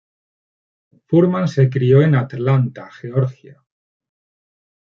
Fuhrman se crio en Atlanta, Georgia.